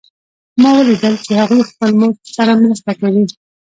ما ولیدل چې هغوی خپل مور سره مرسته کوي